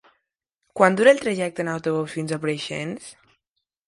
Quant dura el trajecte en autobús fins a Preixens?